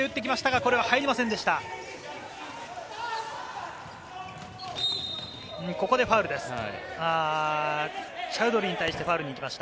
ここでファウルです。